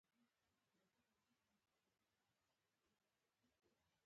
طاعون فیوډالي وضعیت په بل مخ کړ.